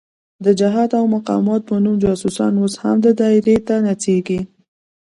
د جهاد او مقاومت په نوم جاسوسان اوس هم دایرې ته نڅېږي.